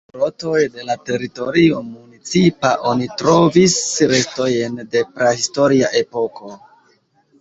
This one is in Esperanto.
En grotoj de la teritorio municipa oni trovis restojn de prahistoria epoko.